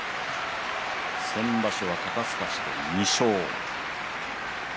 先場所は肩すかしで２勝。